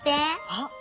あっ！